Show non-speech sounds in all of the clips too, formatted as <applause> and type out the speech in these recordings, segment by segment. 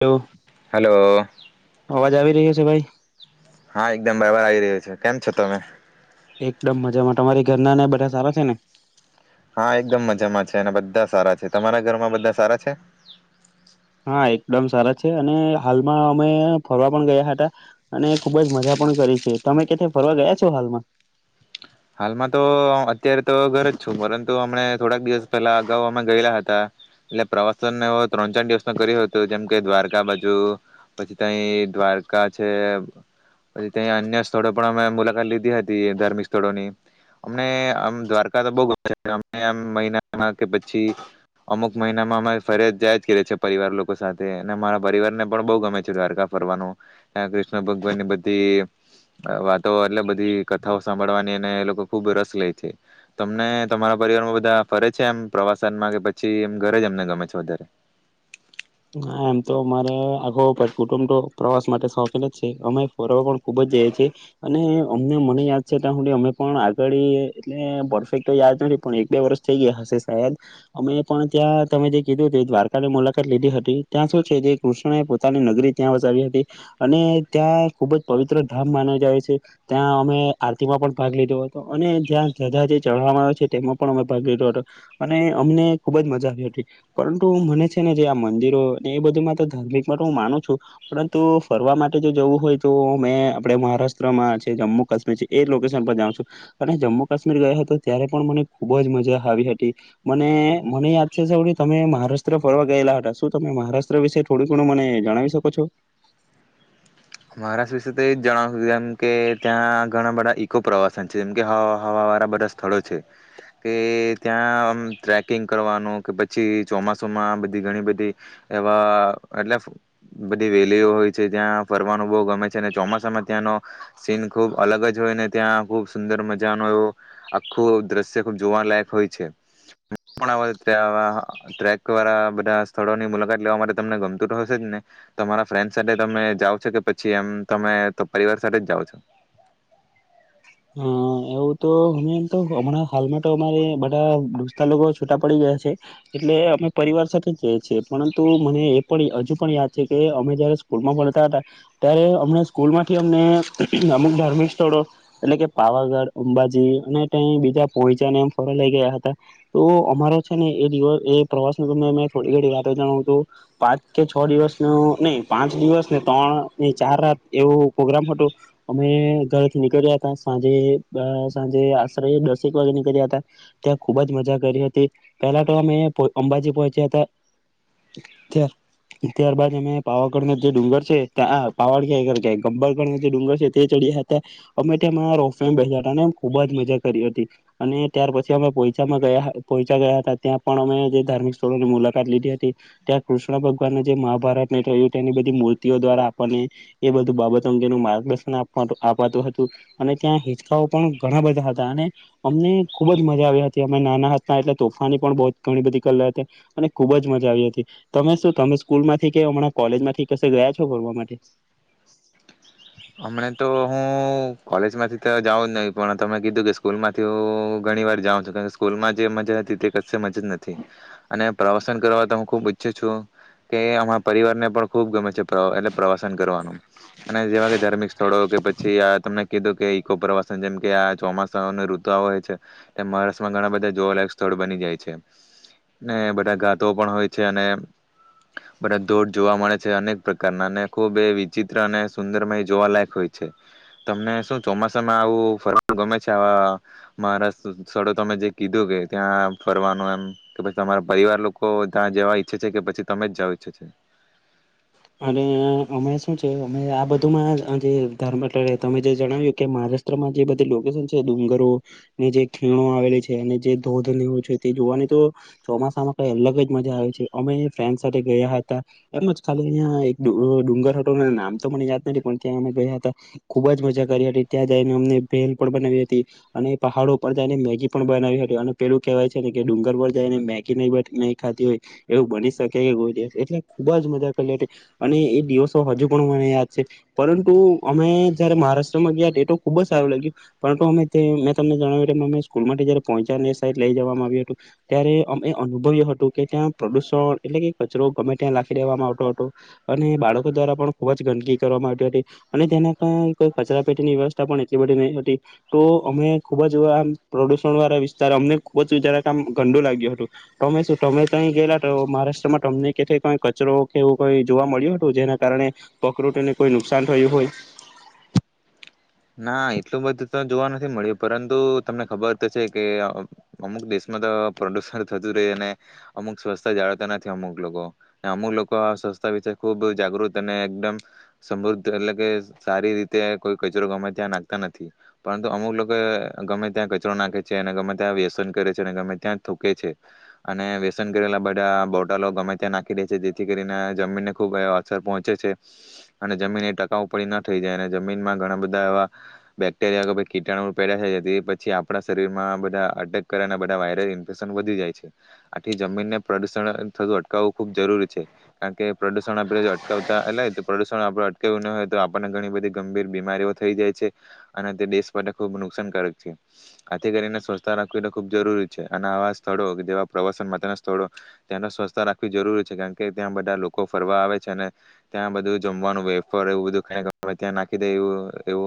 હલવ hello અવાજ આવે <unintelligible> છે ભાઈ હા એકદમ બરાબર આવી રહ્યું છે કેમ છો તમે એકદમ મજામાં તમારી ઘરના ને બધા સારા છે ને હા એકદમ મજામાં છે અને બધા સારા છે તમારા ઘરમાં બધા સારા છે હા એકદમ સારા છે અને હાલમાં અમે ફરવા પણ ગયા હતા અને ખુબ જ મજા પણ કરી છે તમે <unintelligible> ફરવા ગયા છો હાલમાં હાલમાં તો અત્યારે તો ઘર જ છું પરંતુ અમણે થોડાક દિવસ પહેલા અગાઉ અમે ગયેલા હતા એટલે પ્રવાસનને ત્રણ ચાર દિવસ ન કર્યો હતોું જેમ કે દ્વારકા બાજુ પછી તય દ્વારકા છે પછી તય અન્ય સ્થળો પણ અમે મુલાકાત લીધી હતી ધાર્મિક સ્થળોની અમને આમ દ્વારકા તો બહુ ગમે છે અ આમ મહિનામાં કે પછી અમુક મહિનામાં અમે ફરી જાય જ કરીએ છેય પરિવાર લોકો સાથે અને મારા પરિવાર ને પણ બહુ ગમે છે દ્વારકા ફરવાનું ત્યાં કૃષ્ણ ભગવાનની બધી વાતો એટલે બધી કથાઓ સાંભળવાની અને એ લોકો ખુબ રસ લે છે તમને તમારા પરિવાર માં બધા ફરે છે એમ પ્રવાસનમાં કે પછી એમ ઘરે જ એમને ગમે છે વધારે <unintelligible> એમ તો અમારે આખો ઉપર ર્કુટુંબ તો પ્રવાસ માટે શોખીન જ છે અમે ફરવા પણ ખુબ જ જઈએ છીએ અને અમને મને યાદ છે ત્યાં હુંધી અમે પણ આગળ એટલે પરફેકટ તો યાદ નથી પણ એક બે વર્ષ થઈ ગયા હશે શાયદ અમે પણ ત્યાં તમે જે કીધું દ્વારકાની મુલાકાત લીધી હતી તે ત્યાં શું છે જે કૃષ્ણ એ પોતાની નગરી ત્યાં વસાવી હતી અને ત્યાં ખુબ જ પવિત્ર ધામ માને જાય છે ત્યાં અમે આરતીમાં પણ ભાગ લીધો હતો અને ત્યાં જતા જે ચઢવામાં આવે છે તેમાં પણ અમે ભાગ લીધો હતો અને અમને ખુબ જ મજા આવી હતી પરંતુ મને છે ને જે આ મંદિર એ બધું માં તો ધાર્મિક માતો હું માનું છું પરંતુ ફરવા માટે જો જવું હોય તો મેં આપણે મહારાષ્ટ્રમાં છે જમ્મુ કાશ્મીર છે એ લોકેશન પર જાઉં છું અને જમ્મુ કાશ્મીર ગયા હતો ત્યારે પણ મને ખુબ જ મજા આવી હતી મને મને યાદ છે તમે મહારાષ્ટ્ર ફરવા ગયેલા હતા શું તમે મહારાષ્ટ્ર વિશે થોડું ઘણું મને જણાવી શકો છો મહારાષ્ટ્ર વિશે તો એ જ જણાવાનું જેમ કે ત્યાં ઘણા બધા ઈકો પ્રવાસન છે જેમ કે હવા વાળા બધા સ્થળો છે કે ત્યાં ટ્રેકિંગ કરવાનું કે પછી ચોમાસુમાં બધી ઘણી બધી એવા એટલે બધી વેલીઓ હોય છે ત્યાં ફરવાનું બવ ગમે છે અને ચોમાસામાં ત્યાંનો સીન ખુબ અલગ જ હોય ને ત્યાં ખુબ સુંદર મજા ન એવો આખું દ્રશ્ય ખુબ જોવા લાયક હોય છે <unintelligible> ટ્રેક વાળા બધા સ્થળોની મુલાકાત લેવા માટે તમને ગમતું તો હશે જ ને તમારા ફ્રેન્ડ સાથે તમે જાવ છે કે પછી એમ તમે તો પરિવાર સાથે જ જાઓ છો હમ એવું તો અમે એમ તો હમણાં હાલમાં તો અમારે બધા દોસ્તાર લોકો છૂટા પડી ગયા છે એટલે અમે પરિવાર સાથે જ જઈએ છીએ પરંતુ મને એ પણ હજુ પણ યાદ છે કે અમે જયારે સ્કૂલમાં પડતા હતા ત્યારે અમણા સ્કૂલમાંથી અમને અમુક ધાર્મિક સ્થળો એટલે કે પાવાગઢ અંબાજી અને ત્યા બીજા પોઇચા ને એમ ફર લઈ ગયા હતા તો અમારો છે ને એ દિવસ એ પ્રવાસ થોડી ઘડી વાતો જાણાવું તો પાંચ કે છ દિવસ ન નહી પાંચ દિવસ ને ત્રણ ને ચાર રાત એવું પ્રોગ્રામ હતું અમે ઘરેથી નીકળ્યા સાંજે અ સાંજે આશરે દસેક વાગે નીકરયા તા ત્યાં ખુબ જ મજા કરી હતી પેલા તો અમે અંબાજી પહોંચ્યા તા ત્યારબાદ અમે પાવાગઢના જે ડુંગર છે ત્યાં <unintelligible> ગબર જે ડુંગર છે તે ચડ્યા હતા અમે તેમાં રોફવે માં બેહ્યાં તા ને ખૂબ જ મજા કરી હતી અને ત્યાર પછી અમે પોઇચામાં ગયા હ પોઇચા ગયા હતા ત્યાં પણ અમે જે ધાર્મિક સ્થળોની મુલાકાત લીધી હતી ત્યાં કૃષ્ણ ભગવાનને જે મહાભારતને થયું તેની બધી મૂર્તિઓ દ્વારા આપણને એ બધું બાબતો જેનું માર્ગદર્શન <unintelligible> આપાતું હતું અને ત્યાં હિચકાઓ પણ ઘણા બધા હતા અને અમને ખુબ જ મજા આવી હતી અમે નાના હતા એટલે તોફાની પણ બવ ઘણી બધી <unintelligible> હતી અને ખુબ જ મજા આવી હતી તમે શું તમે સ્કૂલ માંથી કે અમણ કોલેજમાંથી કસે ગયા છો ફરવા માટે હમને તો હું કોલેજ માંથી તો જાઉં જ નહી પણ તમે કીધું કે સ્કૂલ માંથી હુ ઘણી વાર જાઉં છું સ્કૂલમાં જે મજા હતી તે કસે મજા નથી અને પ્રવાસન કરવા તો હુ ખુબ ઈચ્છું છું કે અમારા પરિવાર ને પણ ખુબ ગમે છે પ્ર એટલે પ્રવાસન કરવાનું અને જેવા કે સ્થળો કે પછી આ તમને કીધું કે ઈકો પ્રવાસન જેમ કે આ ચોમાસાની ઋતુ આવે છે મહારાષ્ટ્રમાં ઘણા બધા જોવાલાયક સ્થળ બની જાય છે ને બધા ઘાતો પણ હોય છે અને બધા ધોધ જોવા મળે છે અનેક પ્રકારના અને ખુબ એ વિચિત્ર અને સુંદરમય જોવાલાયક હોય છે તમને શું ચોમાસામાં આવું ફરવાનું ગમે છે આવા મારા સ્થળો તમે જે કીધું કે ત્યાં ફરવાનું એમ કે પછી તમારા પરિવાર લોકો ત્યાં જવા ઈચ્છે છે કે પછી તમે જ જવા ઈચ્છે છે અને અમે શું છે અમે આ બધુંમાં જે <unintelligible> તમે જે જણાવ્યું કે મહારાષ્ટ્રમાં જે બધી લોકેશન છે ડુંગરો ને જે ખીણો આવેલી છે અને જે ધોધ નું છે તે જોવાની તો ચોમાસામાં કઈ અલગ જ મજા આવે છે અમે ફ્રેન્ડસ સાથે ગયા હતા એમજ ખાલી અન્યા એક ડુ ડુંગર હતો ને નામ તો મને યાદ નથી પણ ત્યાં અમે ગયા હતા ખુબ જ મજા કરી હતી ત્યાં જઈને અમને ભેલ પણ બનાવી હતી અને પહાડો પર જઈને મેગી પણ બનાવી હતી અને પેલું કેહેવાય છે ને કે ડુંગર પર જઈને મેગી નહી નહી ખાધી હોય એવું બની શકે <unintelligible> એટલે ખુબ જ મજા અને એ દિવસો હજુ પણ મને યાદ છે પરંતુ અમે જયારે મહારાષ્ટ્રમાં ગયા એ તો ખુબ જ સારું લાગ્યું પરંતુ અમે તે મેં તમને જણાવ્યું એ <unintelligible> સ્કૂલમાંથી જયારે પોઇચા ની સાઈડ લઇ જવામાં આવ્યું હતું ત્યારે અમે અનુભવ્યું હતું કે ત્યાં પ્રદુષણ એટલે કે કચરો ગમે ત્યાં લાખી દેવામાં આવ હતો અને બાળકો દ્વારા પણ ખુબ જ ગંદકી કરવામાં આવી હતી અને તેના કાઈ કોઈ કચરાપેટીની વ્યવસ્થા પણ એટલી બધી નહી હતી ટો અમે ખુબ જ આમ પ્રડુષણ વાળા વિસ્તાર અમને ખુદ વિચાર આવે કે આમ ગંડું લાગ્યું હટુ ટમે શું ટમે ગયેલા તો મહારાષ્ટ્રમાં તમને કઈ ઠેકાણે કચરો એવું કઈ જોવા મળ્યું હતું જેના કારણે પકૃતિને કોઈ નુકસાન થયું હોય ના એટલું બધું તો જોવા નથી મળ્યું પરંતુ તમને ખબર તો છે કે અમ અમુક દેશમાં તો પ્રડુષણ થતું રે અને અમુક સ્વચછતા જાળવતા નથી અમુક લોકો ને અમુક લોકો આ સ્વસથતા વિશે ખૂબ જાગૃત અને એકદમ સમૃદ્ધ એટલે કે સારી રીતે કોઈ ક ચરો ગમે ત્યાં નાખતા નથી પરંતુ અમુક લોકો ગમે ત્યાં કચરો નાખે છે અને ગમે ત્યાં વ્યસન કરે છે અને ગમે ત્યાં થૂકે છે અને વ્યસન કરેલા બધા બોટલો ગમે ત્યાં નાખી દે છે જેથી કરીને જમીનને ખુબ અસર પહોંચે છે અને જમીન એ ટકાઉ ઉપડી ના થઈ જાય અને જમીનમાં ઘણા બધ ધા એવા બેક્ટેરિયા કે પછી કીટાણુટ પેદા થઈ જાય તો એ પછી આપડા શરીરમાં બધા અટેક કરે અને બધા વાયરલ ઇન્ફેશન વધી જાય છે આથી જમીનને પ્રડુષણ થતું અટકાવવું ખુબ જરૂરી છે કારણ કે પ્રડુષણ આપણે જો અટકાવતા તો પ્રદુષણ આપડે અટકાવ્યું ન હોય તો આપડને ઘણી બધી ગંભીર બીમારીઓ થઈ જાય છે અને તે દેશ માટે ખુબ નુકસાનકારક છે આથી કરીને સ્વચ્છતા રાખવી તો ખૂબ જરૂરી છે અને આવા સ્થળો જેવા પ્રવાસન માતાના સ્થળો ત્યાં તો સ્વચ્છતા રાખવી જરૂરી છે કારણ કે ત્યાં બધા લોકો ફરવા આવે છે અને ત્યાં બધું જમવાનું વેફર એવું બધું ત્યાં નાખી દે એવું એવ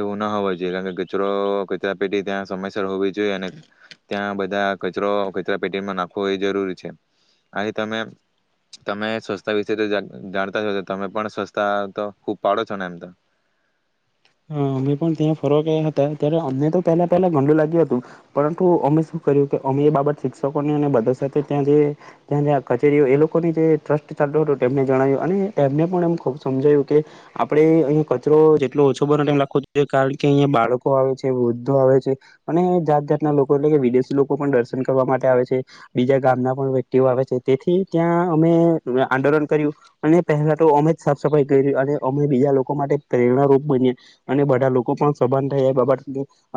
એવું ના હોવા જોઈએ કારણ કે કચરો કચરા પેટી ત્યાં સમયસર હોવી જોઈએ અને ત્યાં બધા કચરો કચરા પેટીમાં નાખવો એ જરૂરી છે આ તમે તમે સ્વસ્તા વિશે જાણતા છો તો તમે પણ સ્વસ્તા તો ખૂબ પાડો છો ને એમ તો હા અમે પણ ત્યાં ફરવા ગયા હતા ત્યારે અમને તો પહેલા પહેલા ગંડું લાગ્યું હતું પરંતુ અમે શું કર્યું કે અમે એ બાબત શિક્ષકોની અને બધા સાથે ત્યાં જે ત્યાં જયાં કચેરીઓ એ લોકોની જે ટ્રસ્ટ ચાલતો હટો તેમને જણાયું અને તેમને પણ અમ ખુબ સમજાયું કે આપડે અહીં કચરો જેટલો ઓછ બને તેમ નાખવો જોઈએ કારણ કે અહીંયા બાળકો આવે છે વૃદ્ધો આવે છે અને જાત જાતના લોકો એટલે કે વિદેશી લોકો પણ દર્શન કરવા માટે આવે છે બીજા ગામના પણ વ્યક્તિઓ આવે છે તેથી ત્યાં અમે આંદોલન કર્યું અને પહેલા તો અમે જ સાફ સફાઈ કયરી અને અમે બીજા લોકો માટે પ્રેરણારૂપ બનીયા અને બધા લોકો પણ સબત થાય એ બાબત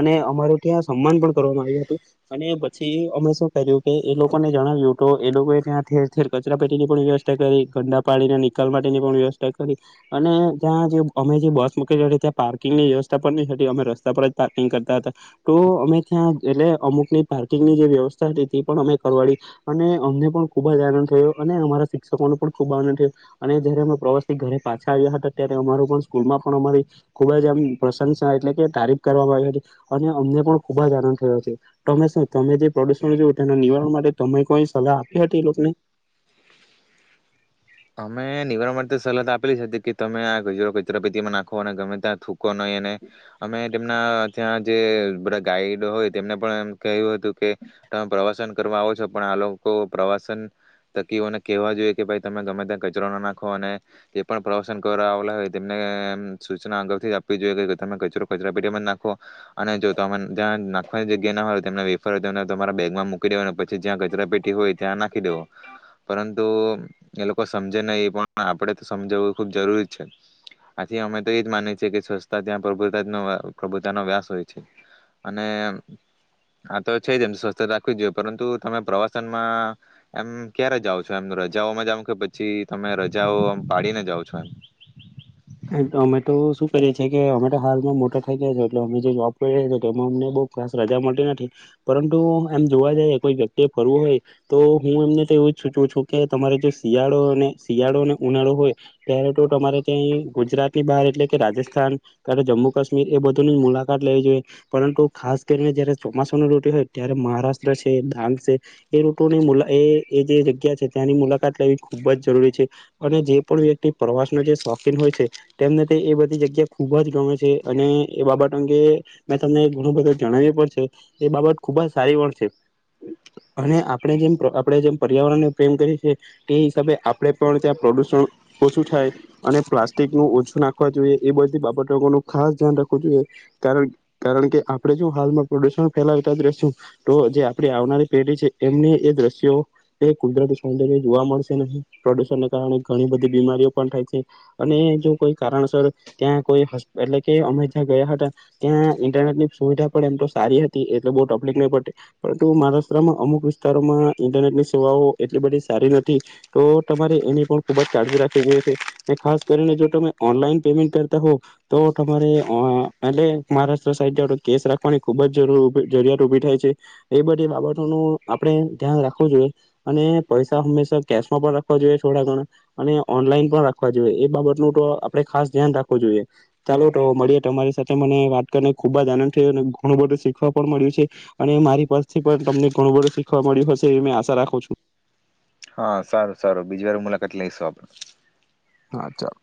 અને અમારું ત્યાં સન્માન પણ કરવામાં આવ્યું હતું અને પછી અમે શું કર્યું કે એ લોકોને જણાવ્યુંતું એ લોકોએ ત્યાં ઠેર ઠેર કચરા પેટીની પણ વ્યવસ્થા કરી ગંડા પાણીના નિકાલ માટેની પણ વ્યવસ્થા કરી અને ત્યાં જે અમે જે બસ મકી ત્યાં પાર્કિંગની વ્યવસ્થા પણ નઈ થતી અમે રસ્તા પર જ પાર્કિંગ કરતા હતા ટો અમે ત્યાં એટલે અમુક ની પાર્કિંગની જે વ્યવસ્થા હતી તે પણ અમે કરવાડી અને અમને પણ ખુબ જ આનંદ થયો અને અમારા શિક્ષકોને પણ ખૂબ આનંદ થયો અને જયારે અમે પ્રવાસથી ઘરે પાછા આવ્યા હતા ત્યારે અમારૂ પણ સ્કૂલમાં પણ અમારી ખૂબ જ આમ પ્રશંસા એટલે કે તારીફ કરવામાં આવી હતી અને અમને પણ ખૂબ જ આનંદ થયો છે તમે શું તમે જે પ્રડુષણ જોયું તેના નિવારણ માટે તમે કોઈ સલાહ આપી હતી એ લોકોને અમે નિવારણ માટે સલાત તો આપેલી જ હતી કે તમે આ કજરો કચરાપેતિમાં નાખો અને ગમે ત્યાં થૂકો નહીં અને અમે તેમના ત્યાં જે બધા ગાઈડ હોય તેમને પણ એમ કહ્યું હતું કે તમે પ્રવાસન કરવા આવો છો પણ આ લોકો પ્રવાસન તકીઓને કેહેવા જોઈએ કે ભાઈ તમે ગમે ત્યાં કચરો ના નાખો અને જે પણ પ્રવાસન કરવા આવલા હોય તેમને આમ સૂચનાના આ જ આપવી જોઈએ તમે કચરો કચરા પેટીમાં જ નાખો અને જો તમે જયાં નાખવાની જગ્યા ના હોય તેમના વેપર તેમના તમારા બેગમાં મૂકી ડેવાના પછી જ્યાં કચરાપેટી હોય ત્યાં નાખી દેવો પરંતુ એ લો કો સમજે નહીં પણ આપડે તો સમજાવવું ખૂબ જરૂરી છે આથી અમે તો એજ માનીએ છીએ કે સ્વચ્છતા ત્યાં પ્રભુતાનો પ્રભુતાનો વ્યાસ હોય છે અને હા તો છે જ એમ સ્વછતા રાખવી જોઈએ પરંતુ તમે પ્રવાસનમાં એમ ક્યારે જાઓ છો એમ રજાઓમાં જાઓ કે પછી તમે રજાઓ આમ પાડીને જાઓ છો એમ એમ અમે તો શું કરીએ છીએ કે અમે તો હાલમાં મોટા થઇ ગયા છે એટલે અમે જે જોબ કરીએ તેમાં અમને બઉ ખાસ રજા મળટી નથી પરંટુ એમ જોવા જઈએ કોઈ વ્યક્તિ એ ફરવું હોય તો હું એમને તો એવું જ સૂચું છું કે તમારે જો શિયાળો અને શિયાળો અને ઉનાળો હોય ત્યારે તો તમારે તઈ ગુજરાતની બહાર એટલે કે રાજસ્થાન કાતો જમ્મુ કાશ્મીર એ બધુંની મુલાકાત લેવી જોઈએ પરંતુ ખાસ કરીને જ્યારે ચોમાસાની રૂટુ હોય ત્યારે મહારાષ્ટ્ર છે દાંગ છે એ રૂટુની મુલા એ એ જે જગ્યા છે ત્યાંની મુલાકાત લેવી ખૂબ જ જરૂરી છે અને જે પણ વ્યક્તિ પ્રવાસનો જે શોખીન હોય છે તેમને તે એ બધી જગ્યા ખુબ જ ગમે છે અને એ બાબત અંગે મેં તમને ઘણું બધું જણાયું પણ છે તે બાબત ખુબ જ સારી વર સે અને આપડે જેમ પર આપણે જેમ પર્યાવરણને પ્રેમ કરીએ છે તે હિસાબે આપણે પણ ત્યાં પ્રડુષણ ઓછું થાય અને પ્લાસ ટિકનું ઓછું નાખવા જોઈએ એ બધી બાબતોનું ખાસ ધ્યાન રાખવું જોઈએ કારન કારણ કે આપણે જો હાલમાં પ્રડુષણ ફેલાવતા જ રેશુ તો જે આપડી આવનારી પેઢી છે એમને એ દ્રશ્યો એ કુદરતી સૌંદર્ય જોવા મળશે નહીં પ્રડુષણને કારણે ઘણી બધી બીમારીઓ પણ થાય છે અને એ જો કોઈ કારણસર ત્યાં કોઈ હસ એટલે કે અમે જ્યાં ગયા હતા ત્યાં ઈન્ટરનેટ ની સુવિધા પણ એમ તો સારી હતી એટલે બહુ ટપલીક નઈ પડતી પરંતુ મહારાષ્ટ્રમાં અમુક વિસ્તારોમાં ઇન્ટરનેટની સેવાઓ એટલી બધી સારી નથી તો તમારે એની પણ ખૂબ જ કાળજી રાખવી જોઈએ છે ને ખાસ કરીને જો તમે ઓનલાઈન પેમેન્ટ કરતા હો તો તમારે ઓ એટલે મહારાષ્ટ્ર સાઈડ જાવ તો કેશ રાખવાની ખૂબ જરૂર જરૂરિયાત ઉભી થાય છે એ બધી બાબતોનું આપણે ધ્યાન રાખવું જોઈએ અને પૈસા હંમેશા કેશમાં પણ રાખવા જોઈએ થોડા ઘણા અને ઓનલાઈન પણ રાખવા જોઈએ એ બાબતનું તો આપડે ખાસ ધ્યાન રાખવું જોઈએ ચાલો તો મળીએ તમારી સાથે મને વાત કરીને ખુબ જ આનંદ થયો અને ઘણું બધું શીખવા પણ મળ્યું છે અને મારી પરથી પણ તમને ઘણું બધું શીખવા મળ્યું હશે એવી મે આશા રાખું છું હા સારું સારું બીજી વાર મુલાકાત લઈશું આપણે હા ચલ